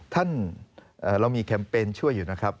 ท่านเรามีแคมเปญช่วยอยู่นะครับ